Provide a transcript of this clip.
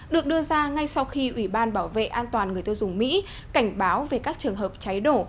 được đưa ra ngay sau khi ủy ban bảo vệ an toàn người tiêu dùng mỹ cảnh báo về các trường hợp cháy nổ